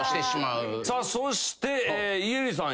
さあそして家入さん。